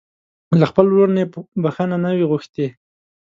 له خپل ورور نه يې بښته نه وي غوښتې.